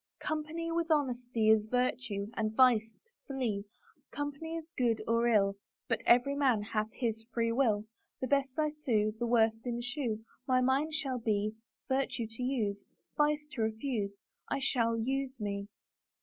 Company with honesty Is virtue — and vice to flee; Company is good or ill But every man hath his free wilL The best I sue _ The worst eschew; My mind shall be Virtue to use; Vice to refuse I shall use me.